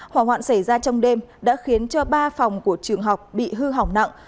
hỏa hoạn xảy ra trong đêm đã khiến cho ba phòng của trường học bị hư hỏng nặng